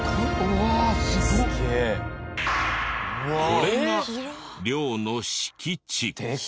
これが寮の敷地。